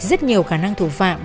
rất nhiều khả năng thủ phạm